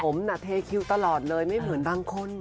ผมน่ะเทคิวตลอดเลยไม่เหมือนบางคน